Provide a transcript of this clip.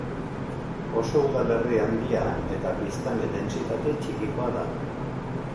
Oso udalerri handia eta biztanle-dentsitate txikikoa da.